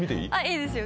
いいですよ